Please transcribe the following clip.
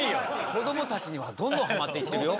こどもたちにはどんどんはまっていってるよ。